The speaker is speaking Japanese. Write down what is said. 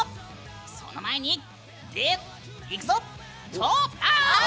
その前にいくぞ！